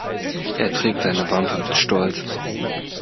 Er trägt seine Wampe mit Stolz.